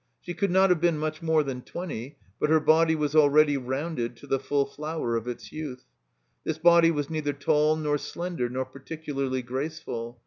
She could not have been much more than twenty, but her body was al ready rounded to the full flower of its youth. This body was neither tall nor slender nor particularly graceful.